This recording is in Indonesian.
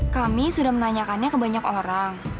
kami sudah menanyakannya ke banyak orang